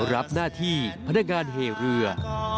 รับหน้าที่พนักงานเหเรือ